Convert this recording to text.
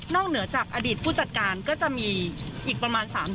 เหนือจากอดีตผู้จัดการก็จะมีอีกประมาณ๓๐